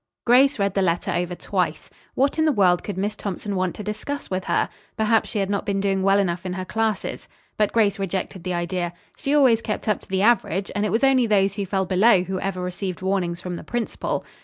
Grace read the letter over twice. What in the world could Miss Thompson want to discuss with her? Perhaps she had not been doing well enough in her classes. But Grace rejected the idea. She always kept up to the average, and it was only those who fell below who ever received warnings from the principal.